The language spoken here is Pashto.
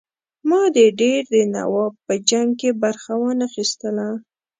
ما د دیر د نواب په جنګ کې برخه وانه خیستله.